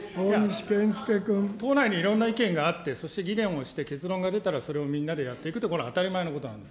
党内にいろんな意見があって、そして議論をして結論が出たらそれをみんなでやっていくと、これは当たり前のことなんです。